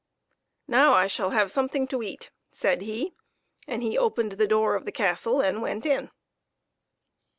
" Now I shall have something to eat," said he, and he opened the door of the castle and went in.